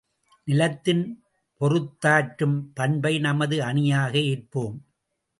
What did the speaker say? நிலத்தின் பொறுத்தாற்றும் பண்பை நமது அணியாக ஏற்போம்!